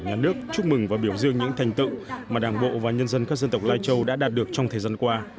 nhà nước chúc mừng và biểu dương những thành tựu mà đảng bộ và nhân dân các dân tộc lai châu đã đạt được trong thời gian qua